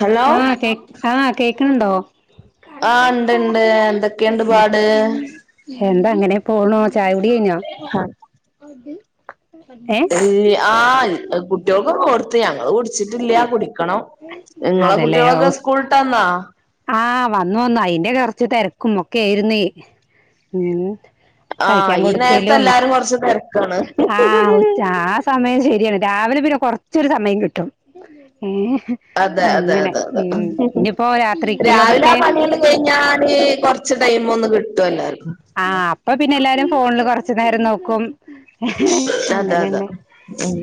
Hello ആ കേ ആ. കേക്ക്ണ് ഇണ്ടോ ആഹ്. ഇണ്ട്ണ്ട് എന്തൊക്കെ ഇണ്ട് പാട് എന്താ അങ്ങനെ പോണോ ചായൊടി. കൈഞ്ഞോ ആഹ് കുട്ട്യോകൊക്കെ കൊട്ത്ത് ഞങ്ങള് കുടി ച്ചിട്ടില്ല കുടിക്കണം നിങ്ങളെ അതല്ലേ കുട്ട്യോളൊക്കെ ഹൗസ് സ്കൂൾട്ടന്നാ ആഹ് വന്നു വന്നു അയിന്റെ കൊറച്ച് തെരക്കും ഒകെര്ന്നേ മ്മ് ആഹ് കഴിക്കാൻ ഈ നേരത്തെ കൊടുക്കലും എല്ലാരും കൊറച്ച് തിരക്കാണ് ആഹ് ഉച്ചാ ആ സമയം ചെയ് രാവിലെ പിന്നെ കൊറചൊരു സമയം കിട്ടും ഏഹ് അതെ അതെ അങ്ങനെ. അതെ അതെ ഉം ഇഞ്ഞ്പ്പോ. രാത്രി രാവിലെ. ആഹ്, പണിയൊന്ന് കഴിഞ്ഞാല് കൊറ്ച്ച് ടൈം ഒന്ന് കിട്ടും എല്ലാർക്കും ആഹ് അപ്പ പിന്നെ എല്ലാരും ഫോണില് കൊർച്ച നേരം നോക്കും ഹ് ഹ് അതെ അതെ അങ്ങനെന്നെ ഉം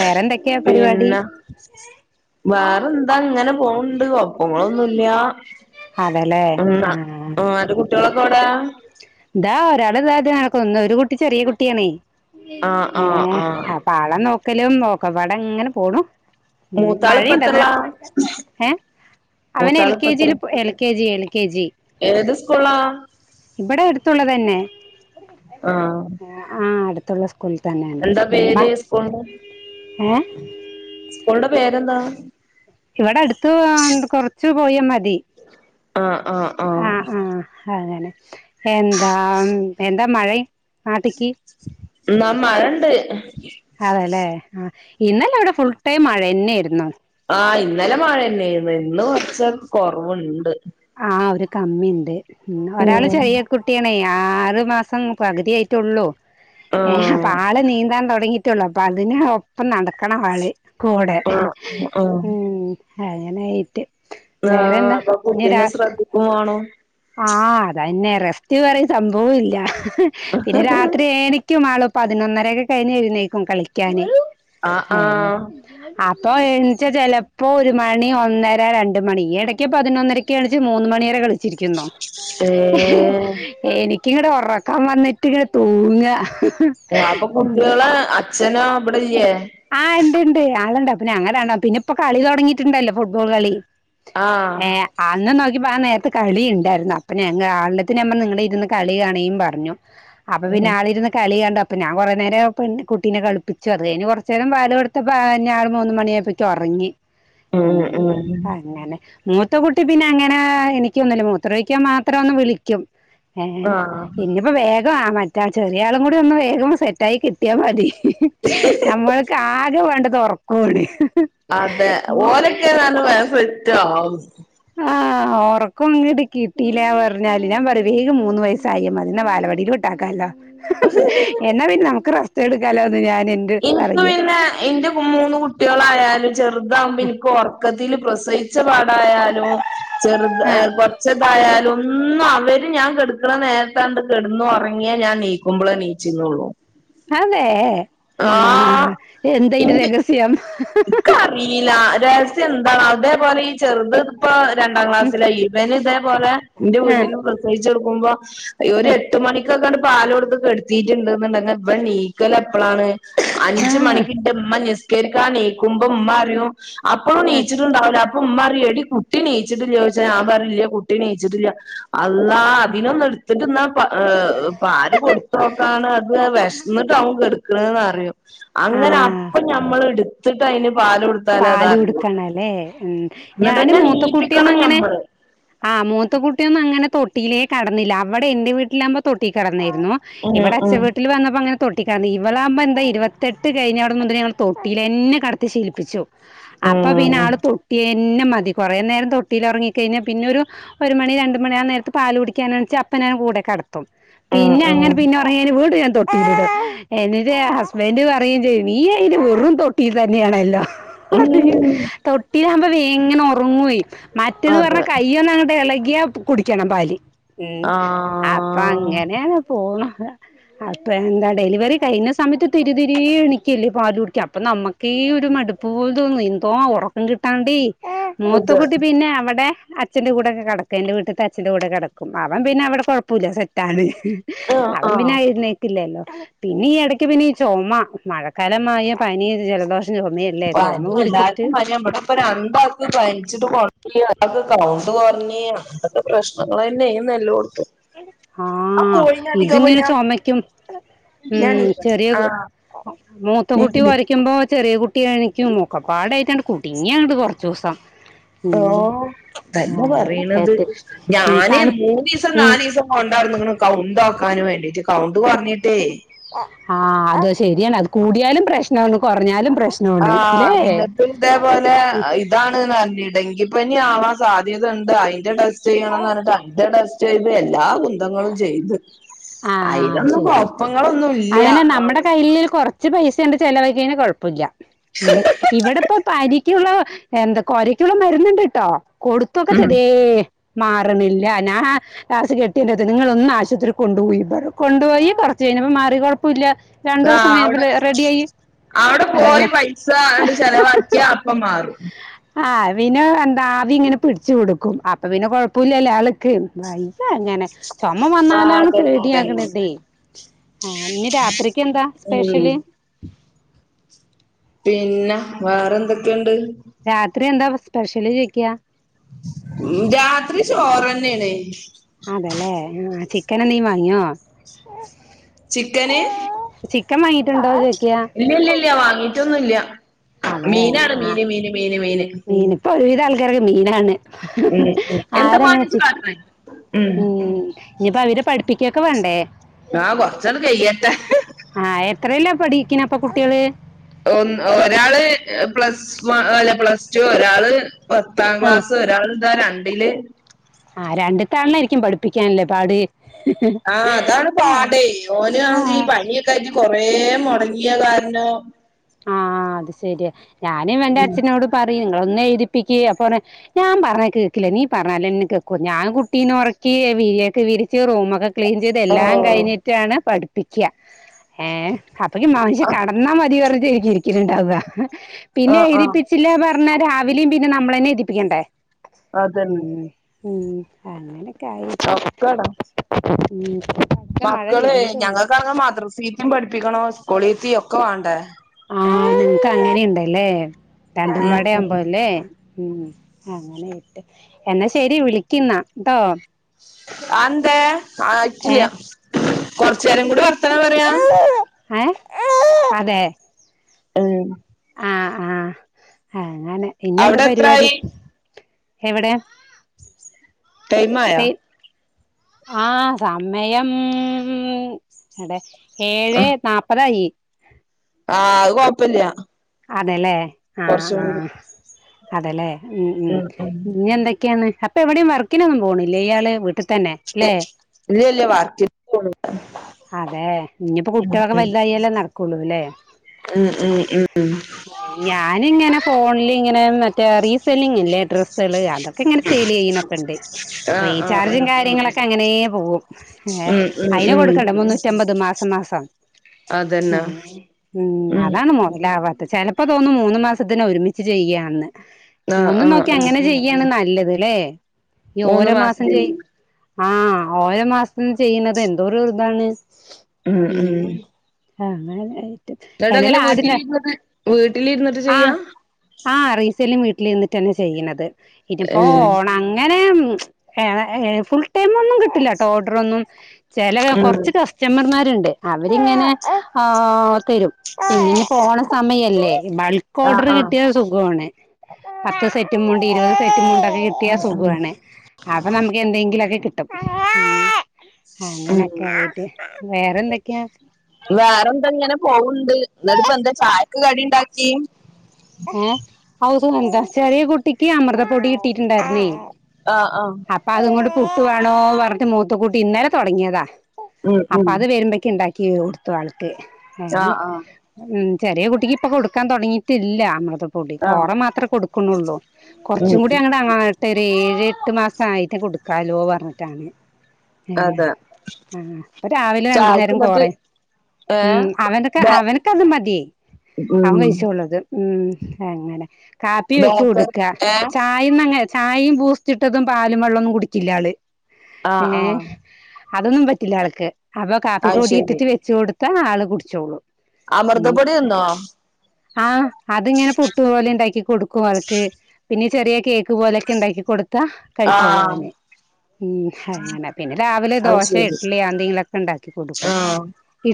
വേറെന്തെക്കെ പരിപാടി വേറെന്ത ഇങ്ങനെ പോഹ്ണ്ട് കൊപ്പ ങ്ങളൊന്നുല്ല്യ അതെല്ലേ ഹന്നാ ആ ആ ഹ പ ഓന്റെ കുട്ട്യോളൊക്കെ. ഓടേ ഇതാ ഒരാള് ദാദ്യ. നടക്ക. ഒന്ന്. ഒരു കുട്ടി ചെറ്യേ. കുട്ട്യാണേ ആഹ് ഏപ് ആഹ് ആഹ് ഹേ. പ്പാള നോക്കലും. നോക്കപ്പാട ങ്ങനെ. പോണു ഉ [unintelligible] മഴിണ്ടാന്..... മൂത്താളിപ്പത്രല്ല ചത് ഏ ത്ന്. ന്നേർത് അവൻ... എൽ. കെ. മൂത്താളിപ്പത്ര ജിൽ. L. K. G. L. K. G. ഏത് സ്കൂളാ ഇബെടെടു അടുത്തുള്ളതന്നെ. ആഹ് ആഹ്. അടുത്തുള്ള സ് കൂൾ തന്നേണ്. എന്താ മ്മ. പേര് സ്കൂളിന്റെ ഏഹ് കുള്ന്റെ. പേരെന്താ ക്കപോയാ. മതി. ആഹ് ആഹ് ആഹ് ആഹ് അതെനെ എന്താൺ. എന്താ മഴഴിം ആട്ടിക്ക്. എന്നാ മഴണ്ട് അതേലെ. ആഹ് ഇന്നലവടെ. Full time. മഴന്നേര്ന്നു ആഹ് ഇന്നലെ മഴന്നേര്ന്ന്ഇന്ന് കൊറ്ച് കൊറവ്ണ്ട് ആഹ് ഒര് കമ്മിണ്ട്. ഉം ഒരാള് ചെറിയ കുട്ടിയാണെ ആറ് മാസം പകുതിയായിട്ടൊള്ളൂ. ഏഹ് ആഹ് അപ്പാള് നീന്താൻ തൊടങ്ങി [unintelligible] അപ്പൊ അതിന് ഒപ്പം നടക്കണ ആള് കൂടെ ആഹ് ആഹ് ഉം അങ്ങനെ ആയിട്ട് ആ അപ്പൊ കുട്ടിനെ ശ്രദ്ധിക്കും വാണം ആ അതന്നെ റെസ്റ്റ് പറിം സംഭവം ഇല്ല പിന്നെ രാത്രി ഏനിയ്ക്കും ആളും പതിനൊന്നരേകെ കഴിഞ്ഞ് എഴുന്നേക്കും കളിക്കാന് ആഹ് ഹേ ആഹ് അ പ്പോൾ എൺച്ചാ ചെലപ്പോ ഒരു മണി ഒന്നര രണ്ട് മണി എടയ്ക്ക് പതിനൊന്നരക്ക് എണിച്ച് മൂന്ന് മണി വരെ കളിച്ച് ഏഹ് [unintelligible] എനി ക്ക്ങ്ങട്ട് ഒറക്കം വന്നിട്ട് ഇങ്ങ് തൂങ്ങ ആ അപ്പൊ കുട്ടികളെ അച്ഛനോ ഇബടെല്ലേ ആഹ് ഇണ്ട് ഇണ്ട് ആള്ണ്ട് അപ്പോ ഞങ്ങൾ രണ്ടാ [unintelligible] പിന്നെ ഇപ്പോ കളി തുടങ്ങിട്ടുണ്ടല്ലോ ഫുട്ബോൾ കളി ആഹ് ഏ അന്ന നോ [unintelligible] നേരത്ത് കളി ഇണ്ടാര്ന്നോ അപ്പ ഞങ്ങ [unintelligible] ഇര്ന്ന് കളി കാണീം പറഞ്ഞു അപ്പൊ ഉം പിന്നെ ആളിരുന്ന് കളി കണ്ട പ്പൊ ഞാൻ കൊറേനേരം [unintelligible] കുട്ടീനെ കളിപ്പിച്ചു അത് കഴിഞ്ഞ് കൊ ചേരം പാല് കൊടുത്തപ്പോ [unintelligible] മൂന്ന് മണിയാ പ്പെക്കും ഉറങ്ങി ഉം അങ്ങനെ മൂത്ത കുട്ടി പിന്നെ അങ്ങനെ എനിക്ക ന്നുല്ല മൂത്രൊഴിക്കാൻ മാത്രമൊന്ന് വിളിക്കും ഏ ആഹ് ഇഞ്ഞിപ്പോ വേ [unintelligible] ആ മറ്റാ ചെറിയ ആളും കൂടി ഒന്ന് വേഗം സെറ്റായി കിട്ടിയാ മതി നമ്മൾക്ക് ആകെ വേണ്ടത് ഒറക്ക [unintelligible] ണെ അതെ ഓലെക്കെ ന്ന റഞ്ഞ വേഗം സെറ്റാകും ആഹ് ഒറക്കം ഇങ്ങട്ട് കിട്ടീല പറഞ്ഞാല് ഞാൻ പറവേഗം മൂന്ന് വയസ്സായി മതി ന്ന വാല വടിയിലോട്ടാക്കല്ലാ എന്നാ പിന്നെ നമുക്ക് റസ്റ്റ് എടുക്കാലോ ന്റെ ഇൻക്ക് പറയ പിന്നെ എന്റെ മൂന്ന് കുട്ടിയാളായാലും ചെർതാകുമ്പോ ഇൻക്ക് ഒറക്കത്തിൽ പ്രസ [unintelligible] പാടായാലും ചെർത് ആഹ് കൊർചൊക്കായാലും [unintelligible] അവര് ഞാൻ കെടക്ക്ണ നേരത്തണ്ട് കെടന്നു ഒറങ്ങിയ ഞാൻ നീക്കുമ്പളേ നീച്ച്ന്ള്ളു അതെ ആ എന്തയ്ന്റെ രഹസ്യം ഇക്ക അറിയില്ല രഹസ്യം എന്താ അതേപോലെ ചെർത് ഇപ്പോ രണ്ടാം ക്ലാസ്സില ഇവന് ഇതേപോലെ ഇന്റെ വീട്ടിൽ ആഹ് പ്രസവിച്ചടക്കുമ്പോ ഒരു ആഹ് എട്ട് മണിക്കൊക്കെണ്ട് പാല് കൊടുത്ത് കേടത്തീറ്റ്ണ്ട്ന്ന്ണ്ടെങ്കി ഇവൻ നീക്കല് എപ്പളാണ് അഞ്ച് ആഹ് മണിക്കിന്റെമ്മ നിസ്കരിക്കാന് ക്കുമ്പോ ഉമ്മറിയും അപ്പോ നീ ആഹ് ച്ചിട്ട്ണ്ടാവ് ല്ല ഉമ്മറിയു എടി കുട്ടി നീച്ചിട്ടില്ലോച്ച ഞാൻ പറയു ല്ല കുട്ടി നീച്ച്ട്ടില്ല അള്ളാ അതിനൊന്നും [unintelligible] പാല് കൊടുത്തോക്കാണ് അത് വെശ്ന്നിട്ടാവു കെടക്കണ് ന്നറിയും അങ്ങനെ ആഹ് അപ്പൊ ഞമ്മൾ എടുത്തിട്ട് അയിന് പാല് കൊടുക്കണല്ലേ ഉം ഞാന് എന്നിട്ടന്നെ നീപ്പിക്കണം മൂത്തക്കുട്ടിന്നങ്ങനെ ഞമ്മള് ആ മൂത്ത കുട്ടിയൊന്നും അങ്ങനെ തൊട്ടിലേ കടന്നില്ല അവടെ എന്റെ വീട്ടിലാവുമ്പോ തൊട്ടി കടന്നിയിരുന്നു ഉം ഇവിടെ ഉം അച്ച വീട്ടിൽ വന്നപ്പോ അങ്ങനെ തൊ ട്ടിക്കാന്ന് ഇവളാവ്മ്പോ എന്ത ഇരുവെത്തട്ട് കഴിഞ്ഞോടം മുതലേ [unintelligible] തൊട്ടിലെന്നെ കടത്തി ശീലിപ്പിച്ചു അപ്പൊ പിന്നെ ഉം ആള് തൊട്ടിയ ന്നെ മതി കൊറേ നേരം തൊട്ടിൽ ഒറങ്ങി കഴിഞ്ഞ പിന്നെ ഒരു ഒരു മണി രണ്ട് മണി ആ നേരത്ത് പാല് കുടിക്ക്യാനനീച്ച അപ്പ നെ കൂടെ കടത്തും പിന്നെ അങ്ങനെ ഉം പിന്നെ ഒറ [unintelligible] തൊട്ടിലിടും എന്നിട്ട് ഹസ്ബൻഡ് പറയു ചെയ്യും നീ അയിനെ വെറും തൊട്ടി തന്നെയാണല്ലോ ഉം ഉം തൊട്ടിലാകുമ്പോ വേങ്ങനെ ഒറങ്ങുവയ് മറ്റേത് അതെ പറഞ്ഞ കയ്യ് ഒന്നങ്ങട്ട് എളകി [unintelligible] കുടിക്കണം പാല് ഉം അപ്പൊ ആഹ് അങ്ങനെയങ്ങ് പോണ്. അപ്പൊ എന്താ ഡെലിവറി കഴിഞ്ഞ സമയത്ത് തിരിതിരീ എണിക്കല്ലേ പാലു ട്ക്കാ അപ്പൊ നമ്മക്ക് ഇ ഈ ഒരു മടുപ്പ് പോല തോന്നൊയ് എന്തോ ഒറക്കം കിട്ടാണ്ടി ഇത് മൂത്തക്കുട്ടി പിന്നെ അവടെ അച്ഛന്റെ കൂടൊക്കെ കെടക്കേ എന്റെ വീട്ട്ത്തെ അച്ഛന്റെ കൂടെ കെടക്കും അവൻ പിന്നെ അവടെ കൊഴപ്പോല്ല സെറ്റാണ്. ആഹ് അവൻ ആഹ് പിന്നെ എഴുന്നേക്കില്ലല്ലോ. പിന്നെ ഈ എടക്ക് പിന്നെ ഈ ചൊമ മഴക്കാലമായ പനി, ജലദോഷം [unintelligible] [unintelligible] പിടിച്ചിട്ട് എല്ലാവർക്കും പനിയ ഇവിടെപ്പം രണ്ടാൾക്കും പനിച്ചിട്ട് കൊഴപ്പയില്ല. ത്ത് കൊറഞ്ഞി ഇപ്പത്തെ പ്രശ്നങ്ങൾ തന്നേയിരുന്നു എല്ലോട ആഹ് പോയി ഇതിങ്ങനെ ഞാൻ ചൊമയ്ക്കും. ഞാൻ ഉം നീക്കട്ടെ ചെറിയ കു ആഹ് മൂത്ത കുട്ടി നീക്ക് നീ കൊരയ്ക്കുമ്പോ ചെറിയ കുട്ടി ട്ടി എണിക്കും മുക്കപ്പാടായിട്ടാണ്ട് കുടുങ്ങിയങ്ങട് കൊറച്ച് ദിവസം. ഓ തന്നെ പറയണത് അങ്ങനൊക്കായിട്ട് ഉം ഞാന് തണു മൂന്നീസം ഉം നാലീസം. ക്കോണ്ടായിരുന്നു [unintelligible] കൗണ്ട് നോക്കാന് വേണ്ടിട്ട് കൗണ്ട് കുറഞ്ഞിട്ട് ആഹ് അതോ ശരിയാണ് അത് കൂടിയാലും പ്രശ്നം ഒന്ന് കുറഞ്ഞാലും പ്രശ് ആഹ് ഇന്നത്തെ ഇതേ പോലെ ഇതാണ്ന്ന് പറഞ്ഞ് ഡെങ്കിപ്പനി ആവാൻ സാധ്യത ഉണ്ട് അയിന്റെ ടെസ്റ്റ് ചെയ്യണം എന്ന് പറഞ്ഞിട്ട് അതിന്റെ ടെസ്റ്റ് ചെയ്ത് എല്ലാ കുന്ത ങ്ങളും ചെയ്ത്‌. ആഹ് ശരി ആയി ഇല്ല അങ്ങനെ നമ്മുടെ കൈയില് കൊറ ച്ച് പൈസങ്ങട് ചെലവായി കഴിഞ്ഞ കുഴപ്പില്ല ഇവിടെ പ്പോ പരി യുള്ള എന്താ കൊരക്കുള്ള മരുന്നുണ്ട് ട്ടോ കൊടുത്തൊക്കെ ഉം ചെതേ മാറണില്ല ഞാൻ ലാസ്റ്റ് കെട്ടിയോന്റെ അടുത്ത് നിങ്ങൾ ഒന്ന് ആശുപത്രി കൊണ്ടു പോയി ഇ കൊണ്ടു പോയി കൊറച്ച് കഴിഞ്ഞപ്പ മാറി കൊഴപ്പമില്ല രണ്ടു ദിവസം ആഹ് കഴിഞ്ഞപ്പ അവിടെ റെഡി ആയി. അവിടെ പോയി പൈസണ്ട് ചെലവാക്കിയാ അപ്പ മാറും. ആഹ് പിന്നെ എന്താ ആവി ഇങ്ങനെ പിടിച്ചു കൊടുക്കും അപ്പോ പിന്നെ കൊഴപ്പില്ലല്ലേ ആൾക്ക്. ശങ്ങനെ ചുമ ആഹ് വന്നാലാണ് അതന്നെ അതന്നെ പേടിയാകണതേ. ആഹ് ഇനി രാത്രിക്ക് എന്താ ഉം സ്പെഷ്യല്? പിന്നെ വേറെ എന്തൊക്കെയുണ്ട്? രാത്രി എന്താ സ്പെഷ്യൽ ചോദിക്കുവ? രാത്രി ചോറന്നെണ്. വേറെ എന്തേം വാങ്ങിയോ? ചിക്കന് ചിക്കൻ വാങ്ങിയിട്ടുണ്ട് അത് ഇല്ല ഇല്ല ഇല്ല വാങ്ങീട്ടൊന്നുമില്ല അതെ മീനാണ് മീന് മീന് മീന് മീന്. ല ആൾക്കാർക്ക് മീനാണ് ഉം ഉം എന്താ ആരങ്ങനെ മോനെ ചി ഇജ്ജ് കാട്ട്ണേ ഉം ഇനിപ്പോ അവരെ പഠിപ്പി ഇയാക്ക് വാണ്ടേ? ആഹ് കോർച്ചട്ട് കഴിയട്ടെ ആഹ് എത്രലാ പഠിക്ണ പ്പൊ കുട്ട്യാള്? ഒൻ ഒരാള് പ്ലസ് വ പ്ലസ് ടു ഒരാള് പത്താം ആഹ് ക്ലാസ്സ്, ഒരാള് ഇതാ രണ്ട്ല് ആഹ് രണ്ട്ത്തെ ആളിനെയായിരിക്കും പഠിപ്പിക്കാനല്ലേ പാട് ആഹ് അതാണ് പാടെയ് ഓന് ഈ ആഹ് പനിക്കെ ആയിട്ട് കൊറെ മോടങ്ങിയ കാരണം ആഹ് അത് ശെരിയ ഞാന് ഇവന്റെ ഉം അച്ഛനോട് പറയും ഒന്നെ എഴുതിപ്പിക്കി അപ്പ പർഞ് ഞാൻ പറഞ്ഞ കേക്കില്ല നീ പറ എന്നാലെ കേക്കൂ ഞാൻ കുട്ടീനെ ഉറക്കി വിരിയൊക്കെ വിരിച്ച് റൂമൊക്കെ ക്ലീൻ ചെയ്ത് ഓ എല്ലാം കഴിഞ്ഞിട്ടാണ് പഠിപ്പിക്ക്യ ഏഹ് അപ്പക്ക് ഈ മനുഷ്യ ആഹ് കടന്നാ മതി പറഞ്ഞായിരിക്കും ഇരിക്കല്ണ്ടാവ പിന്നെ ആഹ് ആഹ് എഴുതിപ്പിച്ചില്ല പർ ർനാ രാവിലിം പിന്നെ നമ്മളന്നെ എഴുതിപ്പിക്കണ്ടേ അതന്നെ ഉം ഉം അങ്ങനെ [inaudible] മക്കളെ ഞങ്ങൾക്കാണെങ്കി മദ്രസീതിം പഠിപ്പിക്കണം സ്കൂളിതിം ഒക്കെ വാണ്ടേ ആഹ് നിങ്ങക്ക് അങ്ങനെണ്ടല്ലേ രണ്ട് ഉം ഉം പാടെവുമ്പോ ലെ ഉം അങ്ങനെ ഇട്ട് എന്നാ ശെരി വിളിക്ന്നാ ട്ടോ അന്തേ ഏ ആയിട്ടില്ല കൊർചേരം കൂടി വർത്താനം പറയാ ഏഹ് അതെ ഏഹ് ആഹ് ആഹ് ആഹ് അങ്ങനെ ഇഞ്ഞെന്താ അവിടെ പരിപാടി എത്രായി എവിടെയാ ടൈമായ ആ സമയം...... അടെ ഏഴെ നാപ്പത് ആയി ആഹ് അത് കൊഴപ്പില്യ അതെല്ലേ ആ ആ അതല്ലേ മ്മ് മ്മ് ഉം ഉം ഇനി എന്തൊക്കെയാണ് അപ്പൊ എവിടെയും വർക്കിനൊന്നും പോണില്ല ഇയാള് വീട്ട് [unintelligible] വർക്കിനൊന്നും [unintelligible] അതെ ഇനിപ്പോ കുട്ടികളൊക്കെ വല്ലതയാലേ നടക്കുള്ളൂല്ലേ ഉം ഉം ഉം ഞാനിങ്ങനെ ഫോണില് ഇങ്ങനെ മറ്റേ റീസെല്ലിങ്ല്ലേ ഡ്രെസ്സുകള് അതൊക്കെ ക്കെ ഇങ്ങനെ സെയിൽ ചെയ്യണപ്പത്തെ ആഹ് ആഹ് ആഹ് റീചാർജും കാര്യങ്ങളൊക്കെ അങ്ങനേ പോകും ഏ ഉം ഉം അയിനെ ഉം കൊടുക്കണ്ട മുന്നൂറ്റി അമ്പത് മാസം മാസം അതന്നെ ഉം അതാണ് മൊതലാവാത്ത ചിലപ്പോ തോന്നും മൂന്നു മാസത്തിന ഒരുമിച്ച് ചെയ്യുകയാന്ന് ആഹ് ഒന്നും ആഹ് നോക്കിയാ ആഹ് അങ്ങനെ ചെയ്യുകയാണ് നല്ലത് അതല്ലേ ഈ മൂന്ന് ഓരോ മാസം മാസത്തിന് ചെയയി ആഹ ഓരോ മാസത്തിന്ന് ചെയ്യണുന്നത് എന്തോ ഒരു ഇതാണ് ഉം ഉം ആ അങ്ങനെന്നെ എവിടാ എങ്ങനെ വീട്ടിലിരുന്നിട്ട് വീട്ടിലിരുന്നിട്ട് ചെയ്യാ ആ റിസെല്ലിങ് വീട്ടിൽഇരുന്നിട്ടന്നെ ചെയ്യണുന്നത് ഇന്നപ്പോ ഏഹ് ഓണ അങ്ങനെ ഏ ഏ ഫുൾ ടൈം ഒന്നും കിട്ടില്ല കേട്ടോ ഓർഡർ ഒന്നും ചില ഉം കുറച്ച് കസ്റ്റമർമാരുണ്ട് അവരിങ്ങനെ ആ തരും ഇനി പോണ സമയല്ലേ ബൾക്ക് ആഹ് ഓർഡർ ആഹ് കിട്ടിയത് സുഖമാണ് പത്ത് സെറ്റും മുണ്ട് ഇരുപത് സെറ്റും മുണ്ട് കിട്ടിയ ഉം ഉം സുഖമാണ് അപ്പൊ നമുക്ക് എന്തെങ്കിലൊക്കെ കിട്ടും ഉം അങ്ങനൊക്കെ ആയിട്ട് വേറെന്തൊക്കെയാ വേറെ എന്താ ഇങ്ങനെ പോവുണ്ട് എന്നിട്ട് ഇപ്പ എന്താ ചായക്ക് കടി ഉണ്ടാക്കിയും ഏ ഔസ എന്താ ചെറിയ കുട്ടിക്ക് അമൃതപ്പൊടി കിട്ടിട്ടുണ്ടായിരുന്നേ ആ ആ പുട്ട് വേണോ പറഞ്ഞട്ട മൂത്തക്കൂട്ടി ഇന്നലെ തുടങ്ങിയതാ ഉം അപ്പ ഉം അത് വരുമ്പോക്ക ഉണ്ടാക്കി കൊടുത്തു ആൾക്ക് ആഹ് ആഹ് ഉ ചെറിയ കുട്ടിക്ക് ഇപ്പൊ കൊടുക്കാൻ തൊടങ്ങീട്ട് ഇല്ല അമൃത പൊടി ആഹ് കോറ മാത്രമേ കൊടുക്കുന്നുള്ളൂ ഉം കുറച്ചും കൂടി ഉം അങ്ങട്ട അങ്ങായിട്ട് ഒരു ഏഴ് എട്ട് മാസംമായിട്ട് കൊടുക്കാലോ പറഞ്ഞിട്ടാണ് ഏഹ് അതെ ആ ഇപ്പൊ രാവിലെ രണ്ടു ചായക്ക് നേരം എന്നിട്ട് കോറയും ഏഹ് ഉം അവനക്ക് ബേ അവനക്ക് അത് മതിയേ അവൻ ഉം കഴിച്ചോളും അത് ഉം എങ്ങനെ കാപ്പി വെച്ച് ബേക്കറി കൊടുക്ക ഏഹ് ചായേന്നങ് ചായയും ബൂസ്റ്റ്‌ ഇട്ടതും പാലും വെള്ളമൊന്നും കുടിക്കില്ല ആള് ഏ ആഹ് ആഹ് അതൊന്നും പറ്റില്ല ആൾക്ക് അപ്പൊ കാപ്പി അത് പൊടി ശരി ഇട്ടിട്ട് വെച്ച കൊടുത്താ ആള് കുടിച്ചോളും അമൃതപ്പൊടി തിന്നോ ആഹ അതിങ്ങനെ പുട്ടുപോലെ ഉണ്ടാക്കി കൊടുക്കും അവൾക്ക് പിന്നെ ചെറിയ കേക്ക് ക്ക് പോലെയൊക്കെ ഉണ്ടാക്കി കൊടുത്താ കഴിച്ചോളൂ ആഹ് അവനെ ഉം അങ്ങനെ പിന്നെ രാവിലെ അത് ദോശ ശരി ഇഡ്ലി എന്തെങ്കിലുംക്കെ ഉണ്ടാക്കി കൊടുക്കും ആഹ്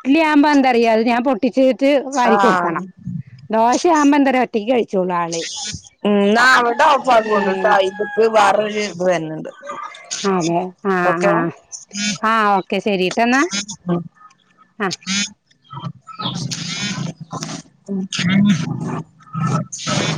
ഇഡലി ആവുമ്പോൾ എന്താ അറിയോ ഞാൻ പൊട്ടിച്ചിട്ട് വാരി കൊടുക്കണം. ആഹ് ദോശവുമ്പോ എന്താന്ന് അറിയോ ഒറ്റക്ക് കഴിച്ചു ഉന്ന അവിടെ ഓഫ്‌ ഉം ആക്കണ്ടട്ടാ ഇതക്ക് വേറരു ഇത് വരുന്നുന്നുണ്ട് അതെ ആഹ ആഹ ആ ഓ ഒക്കെ ശരിട്ടെന്നാ ഉം ആഹ് [inaudible]